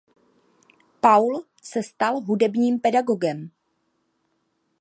Paul se stal hudebním pedagogem.